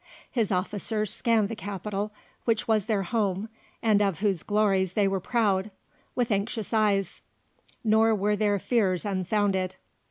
His officers scanned the capital, which was their home and of whose glories they were proud, with anxious eyes; nor were their fears unfounded.